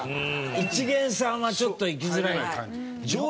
一見さんはちょっと行きづらい。